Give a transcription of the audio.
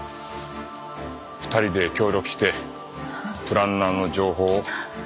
２人で協力してプランナーの情報を探した。